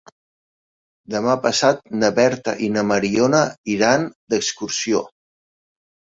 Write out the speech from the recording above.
Demà passat na Berta i na Mariona iran d'excursió.